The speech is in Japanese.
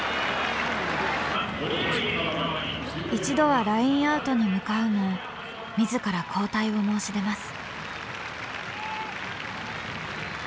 一度はラインアウトに向かうも自ら交代を申し出ます。